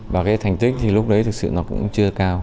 và cái thành tích thì lúc đấy thực sự nó cũng chưa cao